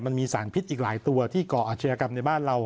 มันมีสารพิษอีกหลายตัวที่ก่ออาชญากรรมในบ้านเรา